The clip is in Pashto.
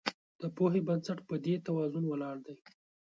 د پوهې بنسټ په دې توازن ولاړ دی.